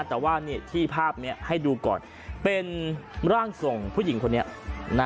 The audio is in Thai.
แต่ว่านี่ที่ภาพนี้ให้ดูก่อนเป็นร่างทรงผู้หญิงคนนี้นะ